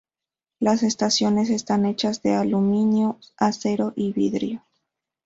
Las estaciones están hechas de aluminio, acero y vidrio.